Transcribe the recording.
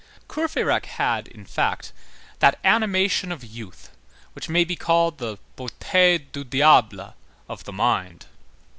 Courfeyrac had, in fact, that animation of youth which may be called the beauté du diable of the mind.